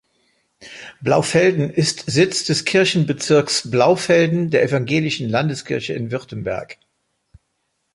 Blaufelden ist Sitz des Kirchenbezirks Blaufelden der Evangelischen Landeskirche in Württemberg.